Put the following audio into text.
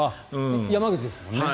山口ですもんね。